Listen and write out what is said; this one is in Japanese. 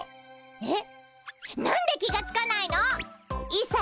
えっ。